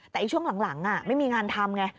แต่ช่วงหลังไม่มีงานทำไง